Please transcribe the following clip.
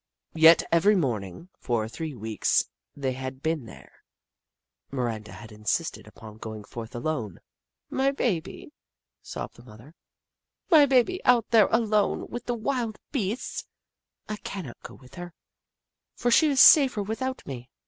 Yet every morning, for the three weeks they had been there, Miranda had insisted upon going forth alone. " My baby," sobbed the mother, " my baby, out there alone with the wild beasts ! I cannot go with her, for she is safer without me.